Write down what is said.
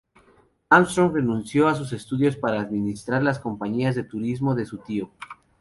Armstrong renunció a sus estudios para administrar las compañías de turismo de su tío.